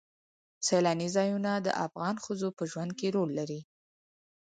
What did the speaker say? سیلاني ځایونه د افغان ښځو په ژوند کې رول لري.